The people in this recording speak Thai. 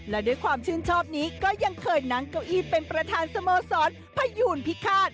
และด้วยความชื่นชอบนี้ก็ยังเคยนั่งเก้าอี้เป็นประธานสโมสรพยูนพิฆาต